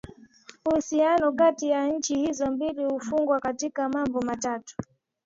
Uhusiano kati ya nchi hizo mbili umefungwa katika mambo matatu